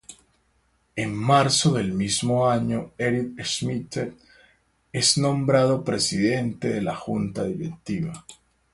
En marzo del mismo año Eric Schmidt es nombrado presidente de la junta directiva.